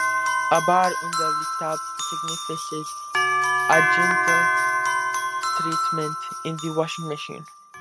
A bar under the tub signifies a gentler treatment in the washing machine.